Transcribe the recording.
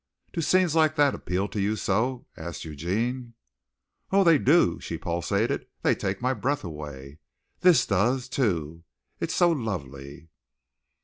"Do scenes like that appeal to you so?" asked Eugene. "Oh, do they!" she pulsated. "They take my breath away. This does, too, it's so lovely!"